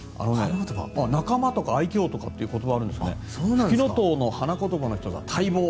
仲間とか愛きょうという言葉があるんですがフキノトウの花言葉の１つは待望。